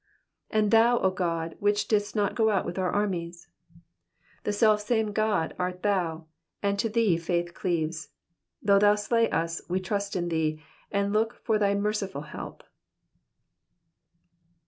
^^And thou^ 0 Gody which didst not go out with our armies f ^^ The self same Gk)d art thou, and to thee faith cleaves. Though thou slay us, we will trust in thee, and look for thy merciful help.